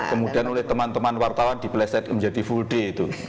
kemudian oleh teman teman wartawan dipleset menjadi full day itu